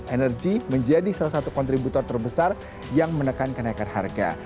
energi menjadi salah satu kontributor terbesar yang menekan kenaikan harga